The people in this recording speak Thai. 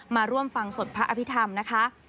มาร่วมฟังสวดพระอภิษฐรรมนะคะ